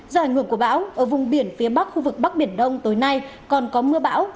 do ảnh hưởng của bão ở vùng biển phía bắc khu vực bắc biển đông tối nay còn có mưa bão